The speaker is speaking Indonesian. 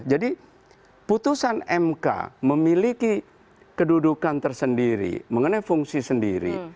jadi putusan mk memiliki kedudukan tersendiri mengenai fungsi sendiri